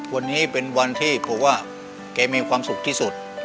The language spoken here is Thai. วันนี้เป็นวันที่ผมว่าแกมีความสุขที่สุด